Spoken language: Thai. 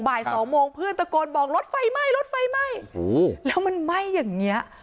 บ่ายสองโมงเพื่อนตะโกนบอกรถไฟไหม้รถไฟไหม้แล้วมันไหม้อย่างเงี้ย